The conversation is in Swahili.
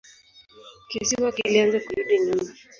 Kisiwa kilianza kurudi nyuma.